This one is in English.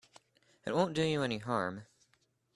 It won't do you any harm.